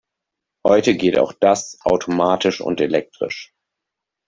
Heute geht auch das automatisch und elektrisch.